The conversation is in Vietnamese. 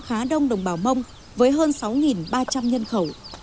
khá đông đồng bào mông với hơn sáu ba trăm linh nhân khẩu